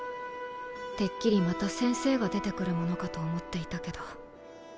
てっきりまた師匠が出てくるものかと思っていたけど。